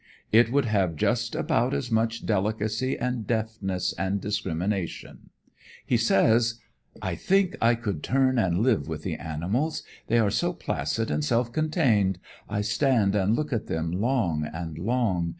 It would have just about as much delicacy and deftness and discriminations. He says: "I think I could turn and live with the animals. They are so placid and self contained, I stand and look at them long and long.